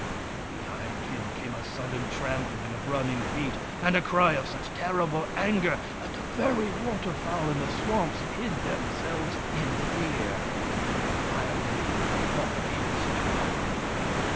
And behind him came a sudden trampling of running feet, and a cry of such terrible anger that the very waterfowl in the swamps hid themselves in fear. The Fire Women were on his track.